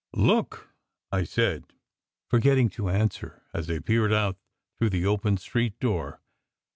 "Look!" I said, forgetting to answer, as I peered out through the open street door.